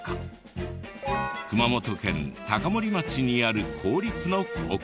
熊本県高森町にある公立の高校。